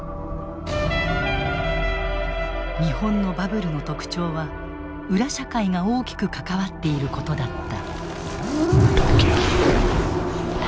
日本のバブルの特徴は裏社会が大きく関わっていることだった。